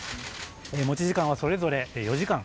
持ち時間はそれぞれ４時間。